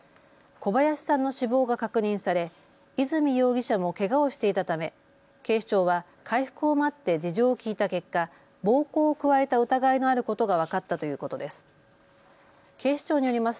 小林さんの死亡が確認され泉容疑者もけがをしていたため警視庁は回復を待って事情を聴いた結果、暴行を加えた疑いのあることが分かったということです。